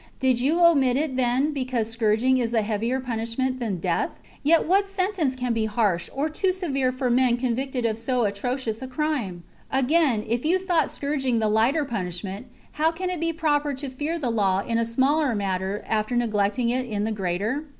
Did you omit it, then, because scourging is a heavier punishment than death ? Yet what sentence can be harsh or too severe for men convicted of so atrocious a crime .* Again, if you thought scourg ing the lighter punishment, how can it be proper to THE CONSPIRACY OF CATILINB. 47 fear the law in the smaller matter after neglecting it chap. in the greater